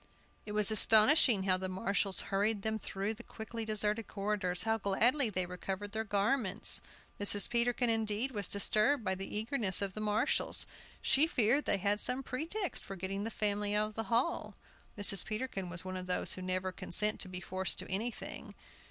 It was astonishing how the marshals hurried them through the quickly deserted corridors, how gladly they recovered their garments! Mrs. Peterkin, indeed, was disturbed by the eagerness of the marshals; she feared they had some pretext for getting the family out of the hall. Mrs. Peterkin was one of those who never consent to be forced to anything.